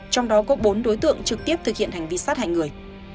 trong đó có bốn đối tượng trực tiếp thực hiện hành vi sát hại người